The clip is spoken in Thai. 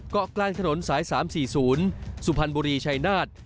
เกาะกลางถนนสาย๓๔๐สุพรรณบุรีชัยนาฏ